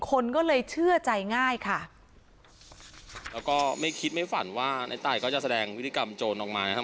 คนก็เลยเชื่อใจง่ายค่ะแล้วก็ไม่คิดไม่ฝันว่าในตายก็จะแสดงพฤติกรรมโจรออกมานะครับ